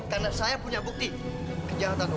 karena saya punya bukti kejahatan om